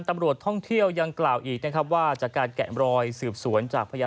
ตำรวจท่องเที่ยวยังกล่าวอีกนะครับว่าจากการแกะมรอยสืบสวนจากพยาน